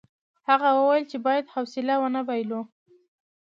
هغه وویل چې باید حوصله ونه بایلو.